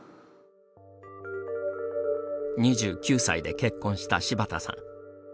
２９歳で結婚した柴田さん。